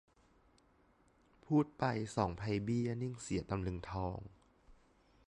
พูดไปสองไพเบี้ย นิ่งเสียตำลึงทอง